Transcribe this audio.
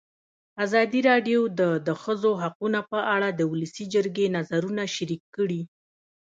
ازادي راډیو د د ښځو حقونه په اړه د ولسي جرګې نظرونه شریک کړي.